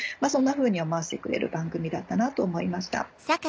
そんなふうに思わせてくれる番組だったなと思いました。